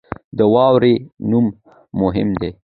د واورې نوم مهم دی.